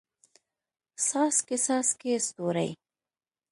څاڅکي، څاڅکي ستوري